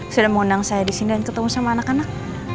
sudah mengundang saya di sini dan ketemu sama anak anak